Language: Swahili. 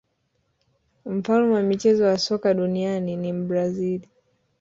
mfalme wa mchezo wa soka duniani ni mbrazil